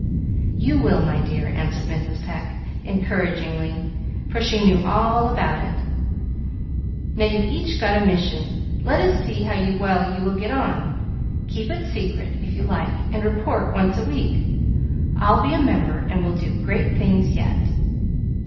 "You will, my dear," answered Mrs. Pecq, encouragingly, for she knew all about it. "Now you've each got a mission, let us see how well you will get on. Keep it secret, if you like, and report once a week. I'll be a member, and we'll do great things yet."